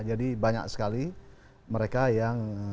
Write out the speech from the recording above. jadi banyak sekali mereka yang